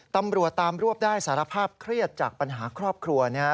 ตำรวจตามรวบได้สารภาพเครียดจากปัญหาครอบครัวนะครับ